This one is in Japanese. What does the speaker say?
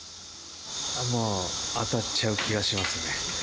もう当たっちゃう気がしますね。